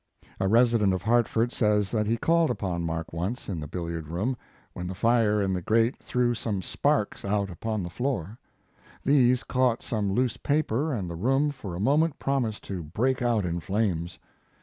A resi dent of Hartford says that he called upon Mark once in the billiard room, when the fire in the grate threw some sparks out upon the floor. These caught some loose paper and the room for a moment promised to break out in flames.